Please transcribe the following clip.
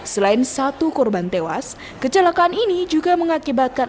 selain satu korban tewas kecelakaan ini juga mengakibatkan